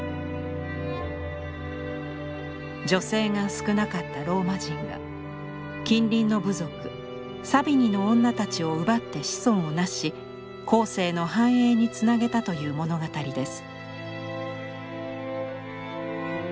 女性が少なかったローマ人が近隣の部族サビニの女たちを奪って子孫をなし後世の繁栄につなげたという物語です。